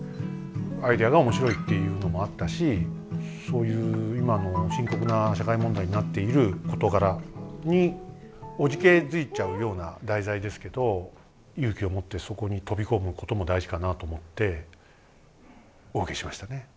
アイデアが面白いっていうのもあったしそういう今の深刻な社会問題になっている事柄におじけづいちゃうような題材ですけど勇気を持ってそこに飛び込むことも大事かなと思ってお受けしましたね。